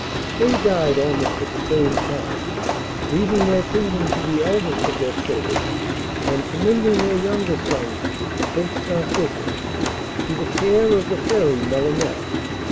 They died almost at the same time, leaving their kingdom to the eldest of their children, and commending their youngest son, Prince Narcissus, to the care of the Fairy Melinette.